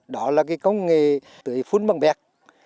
đó là công nghệ tưới phun bằng bẹt